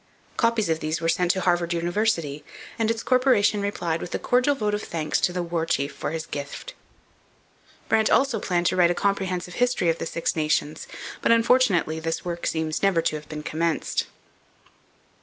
Copies of these were sent to Harvard University, and its corporation replied with a cordial vote of thanks to the War Chief for his gift. Brant also planned to write a comprehensive history of the Six Nations, but unfortunately this work seems never to have been commenced.